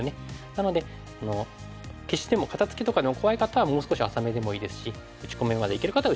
なので消しでも肩ツキとかでも怖い方はもう少し浅めでもいいですし打ち込みまでいける方は打ち込み。